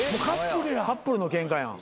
カップルのケンカやん。